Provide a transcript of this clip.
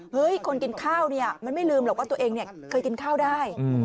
เฮ้ยคนกินข้าวเนี่ยมันไม่ลืมหรอกว่าตัวเองเนี่ย